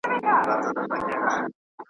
ستا کوڅې یې دي نیولي د رقیب تورو لښکرو ,